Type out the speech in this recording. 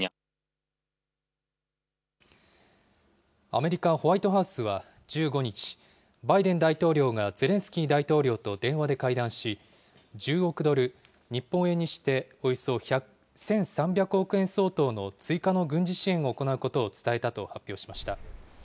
アメリカ・ホワイトハウスは１５日、バイデン大統領がゼレンスキー大統領と電話で会談し、１０億ドル、日本円にしておよそ１３００億円相当の追加の軍事支援を行うことを伝えたと発表しました。